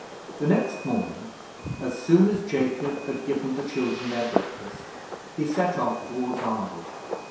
The next morning, as soon as Jacob had given the children their breakfast, he set off toward Arnwood.